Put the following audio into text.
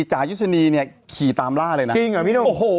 จ่ายุศนีเนี่ยขี่ตามล่าเลยนะจริงเหรอพี่หนุ่มโอ้โห